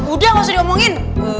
udah gak usah diomongin